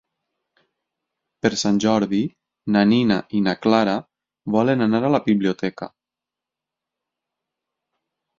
Per Sant Jordi na Nina i na Clara volen anar a la biblioteca.